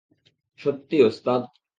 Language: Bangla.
সত্যি, ওস্তাদ?